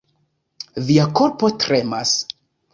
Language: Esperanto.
Via korpo tremas.